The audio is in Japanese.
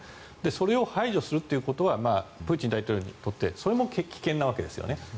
それを排除するということはプーチン大統領にとってそれも危険なわけですよね。